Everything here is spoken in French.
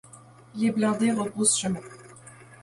Les blindés rebroussent chemin.